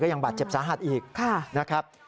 ยังบาดเจ็บสาหัสอีกนะครับ